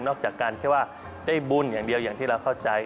จากการแค่ว่าได้บุญอย่างเดียวอย่างที่เราเข้าใจ